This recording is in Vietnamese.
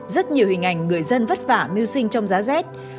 rất nhiều hình ảnh người dân vất vả mưu sinh trong giá rét